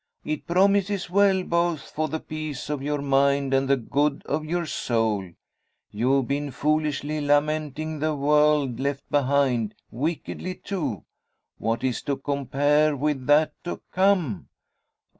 It promises well, both for the peace of your mind and the good of your soul. You've been foolishly lamenting the world left behind: wickedly too. What is to compare with that to come?